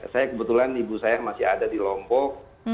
saya kebetulan ibu saya masih ada di lombok